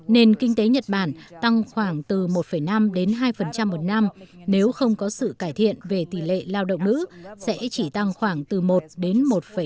nền kinh tế nhật bản tăng khoảng từ một năm đến hai một năm nếu không có sự cải thiện về tỷ lệ lao động nữ sẽ chỉ tăng khoảng từ một đến một năm